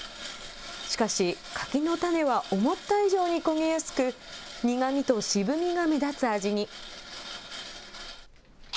しかし、柿の種は思った以上に焦げやすく、苦みと渋みが目立つ味に。